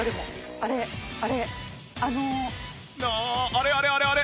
あああれあれあれあれ！